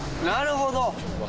なるほど！